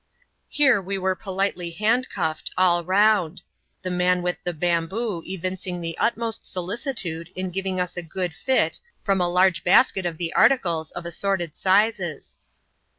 Here we were politely handcuffed, all round ; the man with the bamboo evincing the utmost solicitude in giving us a good fit from a large basket of the articles of assorted sizes.